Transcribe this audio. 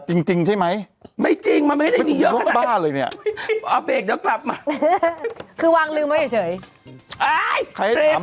ก็ให้แบบคนอื่นเข้าไป